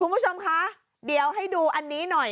คุณผู้ชมคะเดี๋ยวให้ดูอันนี้หน่อย